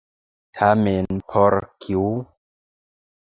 Tamen por kiu?